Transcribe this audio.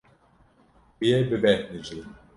Tu yê bibêhnijî.